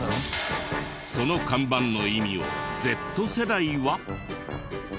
その看板の意味をＺ世代は。